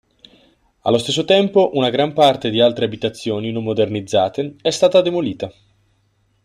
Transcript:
Allo stesso tempo una gran parte di altre abitazioni non modernizzate è stata demolita.